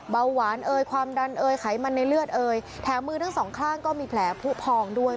เบาหวานความดันไขมันในเลือดแท้มือทั้ง๒ข้างก็มีแผลผู้พองด้วย